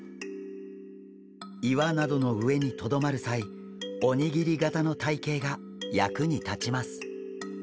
岩などの上にとどまる際おにぎり型の体形が役に立ちます。